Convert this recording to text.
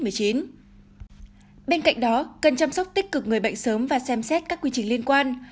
bên cạnh đó cần chăm sóc tích cực người bệnh sớm và xem xét các quy trình liên quan